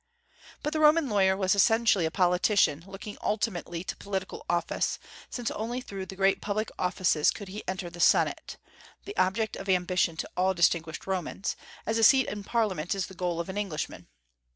But the Roman lawyer was essentially a politician, looking ultimately to political office, since only through the great public offices could he enter the Senate, the object of ambition to all distinguished Romans, as a seat in Parliament is the goal of an Englishman.